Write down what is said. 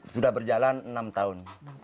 sudah berjalan enam tahun